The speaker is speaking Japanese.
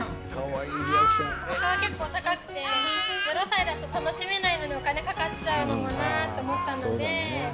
ほかは結構高くて、０歳だと、楽しめないのにお金かかっちゃうのもなと思ったので。